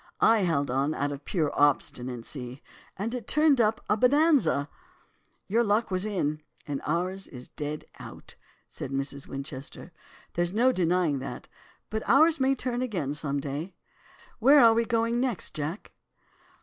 I held on out of pure obstinacy, and it turned up a "bonanza."' "'Your luck was in, and ours is dead out,' said 'Mrs. Winchester,' 'there's no denying that, but ours may turn again some day. Where are we going next, Jack?